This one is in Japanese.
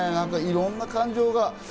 いろんな感情が。